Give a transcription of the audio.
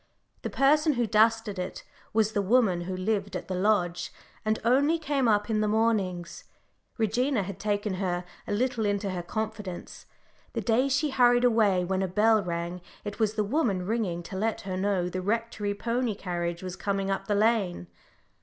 The person who dusted it was the woman who lived at the lodge, and only came up in the mornings. Regina had taken her a little into her confidence. The day she hurried away when a bell rang, it was the woman ringing to let her know the Rectory pony carriage was coming up the lane.